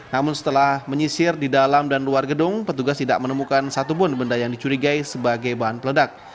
namun setelah menyisir di dalam dan luar gedung petugas tidak menemukan satupun benda yang dicurigai sebagai bahan peledak